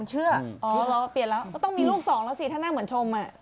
เหมือนช่วงเปลี่ยนแล้วต้องมีลูกสองแล้วสิถ้าเหมือนชม